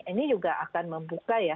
ini juga akan membuka ya